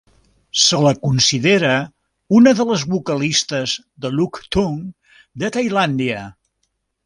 Se la considera una de les vocalistes de Luk Thung de Tailàndia.